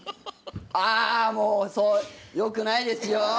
ああもうよくないですよ